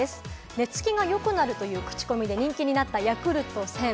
寝付きがよくなるというクチコミで人気になったＹａｋｕｌｔ１０００。